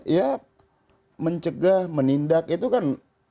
ya mencegah menindak itu kan